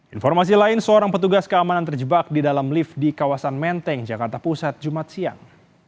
informasi lain seorang petugas keamanan terjebak di dalam lift di kawasan menteng jakarta pusat jumat siang